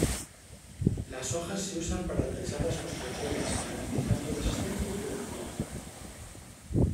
Las hojas se usan para techar las construcciones, garantizando resistencia y duración.